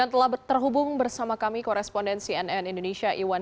mengapes bank yang buat gelar suai frau entah coop